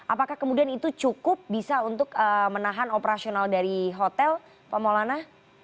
apakah kemudian itu cukup bisa untuk menahan operasional dari hotel pak maulana